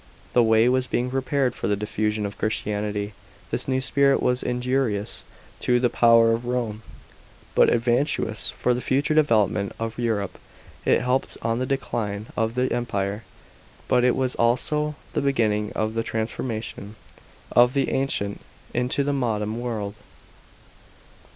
The way was being prepared for the diffusion of Christianity. This new spirit was injurious to the power of Rome, but advantageous for the future development of Europe. It helped on the decline of the Empire, but it was also the beginning of the transformation of the ancient into the modem world.